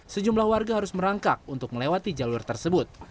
sejumlah warga harus merangkak untuk melewati jalur tersebut